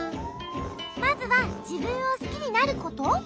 まずはじぶんをすきになること？